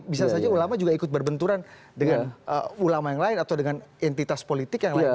bisa saja ulama juga ikut berbenturan dengan ulama yang lain atau dengan entitas politik yang lain